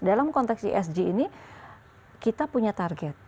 dalam konteks esg ini kita punya target